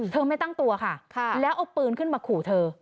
ไม่ตั้งตัวค่ะแล้วเอาปืนขึ้นมาขู่เธอ